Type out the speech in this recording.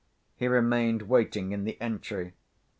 He remained waiting in the entry.